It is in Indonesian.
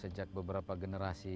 sejak beberapa generasi